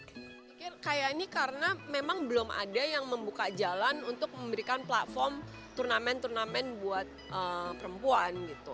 saya pikir kayak ini karena memang belum ada yang membuka jalan untuk memberikan platform turnamen turnamen buat perempuan gitu